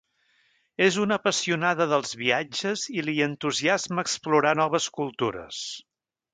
És una apassionada dels viatges i li entusiasma explorar noves cultures.